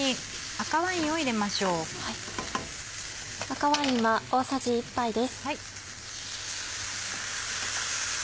赤ワインは大さじ１杯です。